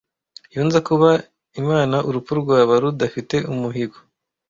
iyo nza kuba imana urupfu rwaba rudafite umuhigo